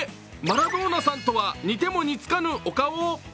マラドーナさんとは似ても似つかぬお顔。